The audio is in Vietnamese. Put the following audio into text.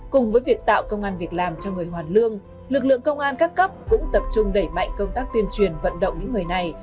cùng với việc tạo công an việc làm cho người hoàn lương lực lượng công an các cấp cũng tập trung đẩy mạnh công tác tuyên truyền vận động những người này